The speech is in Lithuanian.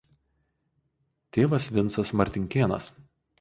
Tėvas Vincas Martinkėnas.